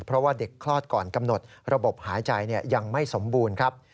เพราะว่าเด็กคลอดก่อนกำหนดระบบหายใจยังไม่สมบูรณ์ครับ